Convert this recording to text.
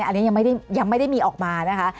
อันนี้ยังไม่ได้มีออกมานะคะ